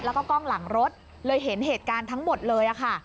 แล้วก็กล้องหลังรถเลยเห็นเหตุการณ์ทั้งหมดเลยค่ะ